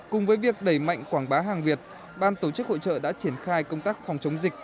cùng với việc đẩy mạnh quảng bá hàng việt ban tổ chức hội trợ đã triển khai công tác phòng chống dịch